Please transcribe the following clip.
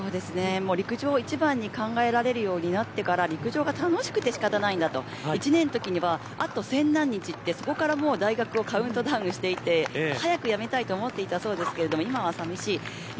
陸上を一番に考えられるようになってから陸上が楽しくて仕方がない。１年のときにはあと１０００何日とそこからカウントダウンしていて早く辞めたいと思っていたそうですが今は寂しい。